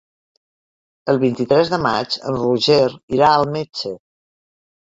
El vint-i-tres de maig en Roger irà al metge.